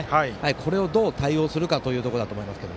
これをどう対応するかというところだと思います。